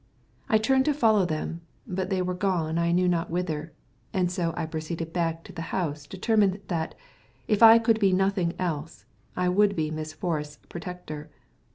I turned to follow them, but they were gone I knew not whither, and so I went back to the house determined that, if I could be nothing else, I would be Miss Forrest's protector.